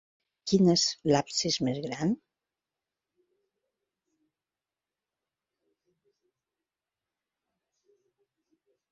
Quin és l'absis més gran?